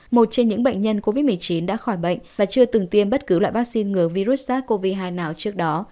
một trong những bệnh nhân covid một mươi chín đã khỏi bệnh và chưa từng tiêm bất cứ loại vaccine ngừa virus sars cov hai nào trước đó